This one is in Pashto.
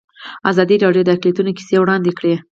ازادي راډیو د اقلیتونه کیسې وړاندې کړي.